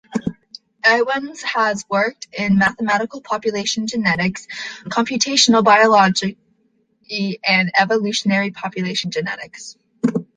Ewens has worked in mathematical population genetics, computational biology, and evolutionary population genetics.